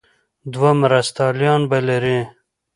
دوه مرستیالان به لري.